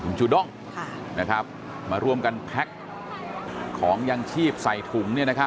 คุณจูด้งมาร่วมกันแพ็คของยางชีพใส่ถุง